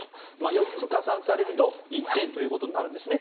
４つ加算されると１点ということになるんですね。